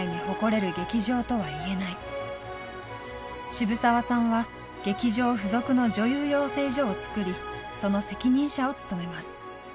渋沢さんは劇場付属の女優養成所をつくりその責任者を務めます。